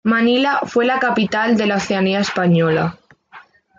Manila fue la capital de la Oceanía española.